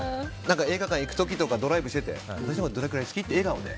映画館行く時とかドライブしてて私のことどれくらい好き？って笑顔で。